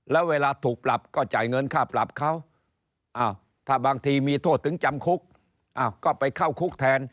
แล้วเวลาถูกปรับก็จ่ายเงินค่าปรับเขาถ้าบางทีมีโทษถึงจำคุกก็ไปเข้าคุกแทน